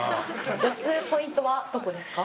推すポイントはどこですか？